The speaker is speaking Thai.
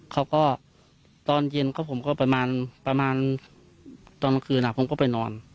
เขาก็ตอนเย็นก็ผมก็ประมาณประมาณตอนกลางคืนผมก็ไปนอน